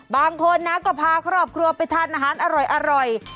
บางคนนะก็พาครอบครัวไปทานอาหารอร่อย